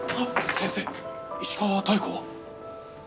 先生石川妙子は？あ。